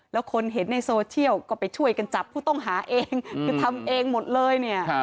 แล้วคนเห็นในโซเชียลก็ไปช่วยกันจับผู้ต้องหาเองคือทำเองหมดเลยเนี่ย